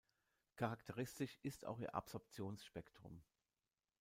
Charakteristisch ist auch ihr Absorptionsspektrum.